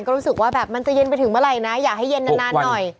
ก็รู้สึกว่าแบบมันจะเย็นไปถึงเมื่อไหร่นะอยากให้เย็นนานหน่อย